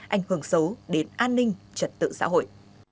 ảnh hưởng xấu đến an ninh trật tự xã hội